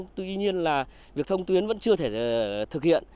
tuy nhiên là việc thông tuyến vẫn chưa thể thực hiện